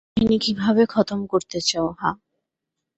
কাহিনী কীভাবে খতম করতে চাও, হাহ?